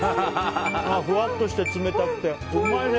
ふわっとして冷たくてうまいね！